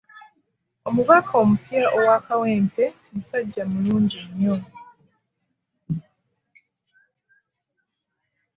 Omubaka omupya owa Kawempe musajja mulungi nnyo.